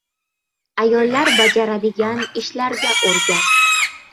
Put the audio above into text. – ayollar bajaradigan ishlarga o‘rgat;